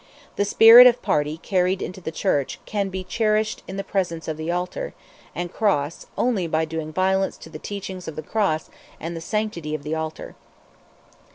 The spirit of party carried into the Church can be cherished in the presence of the Altar and Cross only by doing violence to the teachings of the Cross and the sanctity of the Altar.